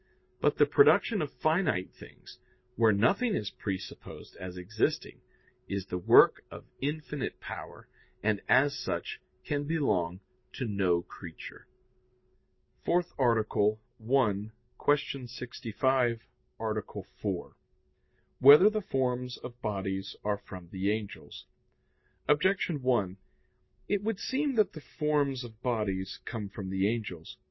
But the production of finite things, where nothing is presupposed as existing, is the work of infinite power, and, as such, can belong to no creature. _______________________ FOURTH ARTICLE [I, Q. 65, Art. 4] Whether the Forms of Bodies Are from the Angels? Objection 1: It would seem that the forms of bodies come from the angels.